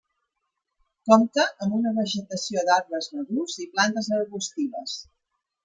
Compta amb una vegetació d’arbres madurs i plantes arbustives.